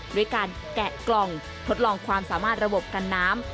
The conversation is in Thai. ด้วยการแกะกล่องทดลองความสามารถระบบกันน้ำ